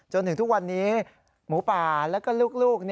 จนถึงทุกวันนี้หมูป่าแล้วก็ลูก